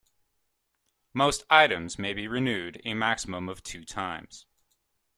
Most items may be renewed a maximum of two times.